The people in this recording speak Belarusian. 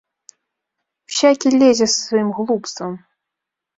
Усякі лезе са сваім глупствам!